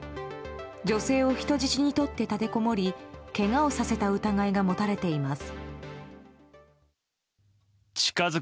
女性を人質にとって、立てこもりけがをさせた疑いが持たれています。